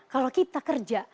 kalau kita kerja